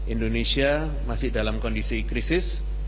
indonesia masih dalam kondisi krisis